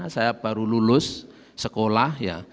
saya baru lulus sekolah